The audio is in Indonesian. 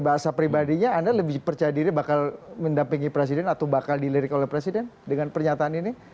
bahasa pribadinya anda lebih percaya diri bakal mendampingi presiden atau bakal dilirik oleh presiden dengan pernyataan ini